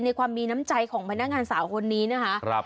ความมีน้ำใจของพนักงานสาวคนนี้นะคะ